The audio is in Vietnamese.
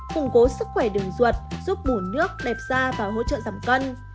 khủng cố sức khỏe đường ruột giúp bủ nước đẹp da và hỗ trợ giảm cân